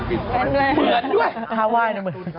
เหมือนด้วย